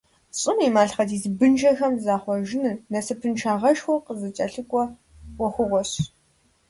ЩӀым и малъхъэдис бынжэхэм захъуэжыныр насыпыншагъэшхуэ къызыкӀэлъыкӀуэ Ӏуэхугъуэщ.